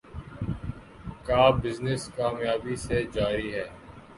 کا بزنس کامیابی سے جاری ہے